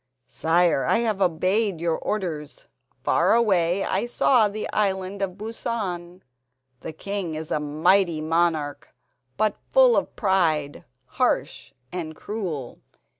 "Sire, I have obeyed your orders. Far away I saw the Island of Busan. The king is a mighty monarch, but full of pride, harsh and cruel.